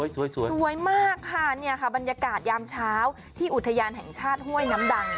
สวยสวยมากค่ะเนี่ยค่ะบรรยากาศยามเช้าที่อุทยานแห่งชาติห้วยน้ำดัง